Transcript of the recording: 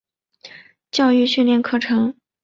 教育训练课程